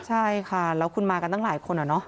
ใช่ค่ะแล้วคุณมากันตั้งหลายคนอะเนาะ